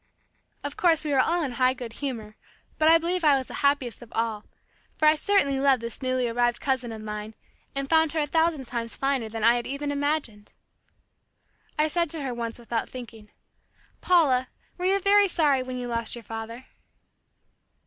Of course, we were all in high good humor, but I believe I was the happiest of all, for I certainly loved this newly arrived cousin of mine and found her a thousand times finer than I had even imagined. I said to her once without thinking, "Paula, were you very sorry when you lost your father?"